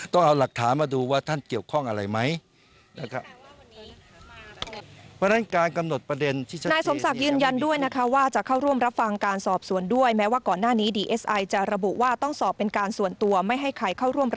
ต้องเอาหลักฐานมาดูว่าต่างจุดเกี่ยวข้องอะไรไหม